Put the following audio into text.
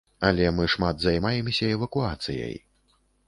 Але мы шмат займаемся эвакуацыяй.